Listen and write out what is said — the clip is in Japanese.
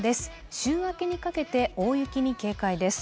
週明けにかけて大雪に警戒です。